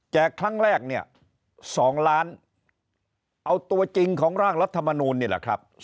ครั้งแรกเนี่ย๒ล้านเอาตัวจริงของร่างรัฐมนูลนี่แหละครับ